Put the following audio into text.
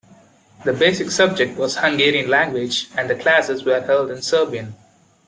The basic subject was Hungarian language and the classes were held in Serbian.